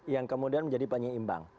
yang kemudian menjadi penyeimbang